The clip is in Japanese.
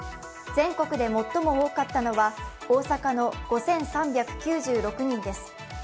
全国で最も多かったのは大阪の５３９６人です。